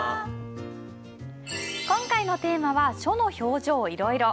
今回のテーマは「書の表情いろいろ」。